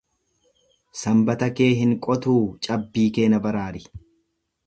Sanbata kee hin qotuu cabbii kee na baraari.